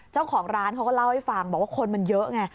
เจ้าของร้านเขาก็เล่าให้ฟังบอกว่าคนมันเยอะไง